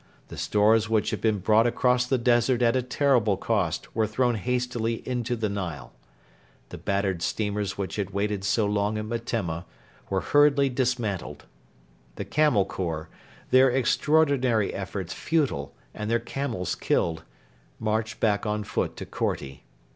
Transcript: The stores which had been brought across the desert at a terrible cost were thrown hastily into the Nile. The battered steamers which had waited so long at Metemma were hurriedly dismantled. The Camel Corps, their extraordinary efforts futile and their camels killed, marched back on foot to Korti.